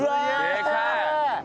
でかい！